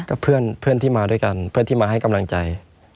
กับเพื่อนที่มาด้วยกันเพื่อนที่มาให้กำลังใจ